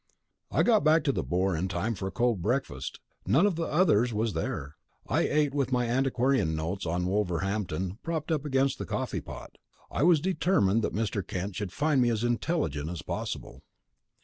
I got back to the Boar in time for a cold breakfast. None of the others was there. I ate with my antiquarian notes on Wolverhampton propped against the coffee pot. I was determined that Mr. Kent should find me as intelligent as possible.